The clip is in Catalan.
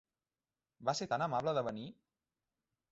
Va ser tan amable de venir!